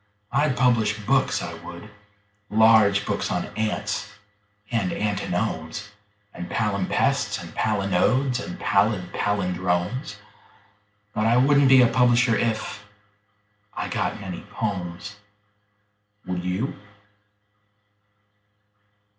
I'd publish books, I would large books on ants and antinomes And palimpsests and palinodes and pallid pallindromes: But I wouldn't be a publisher if .... I got many "pomes." Would you?